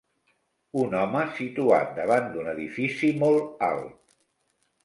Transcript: Un home situat davant d'un edifici molt alt